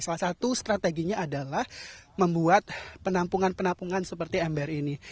salah satu strateginya adalah membuat penampungan penampungan seperti ember ini